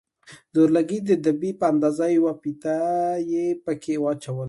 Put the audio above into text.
د اورلګيت د دبي په اندازه يوه فيته يې پکښې واچوله.